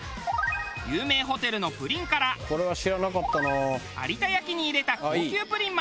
有名ホテルのプリンから有田焼に入れた高級プリンまで。